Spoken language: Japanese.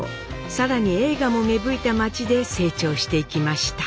更に映画も芽吹いた街で成長していきました。